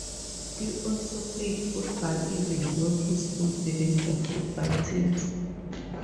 He also played football, even though his school didn't have football teams.